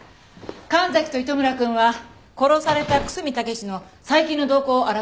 神崎と糸村くんは殺された楠見武の最近の動向を洗って。